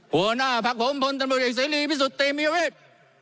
หัวหน้าภักดิ์ผมพลธรรมดิกษิรีย์พิสุทธิ์มีวิวิทย์